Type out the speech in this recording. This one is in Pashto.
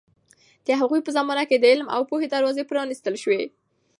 د هغوی په زمانه کې د علم او پوهې دروازې پرانیستل شوې.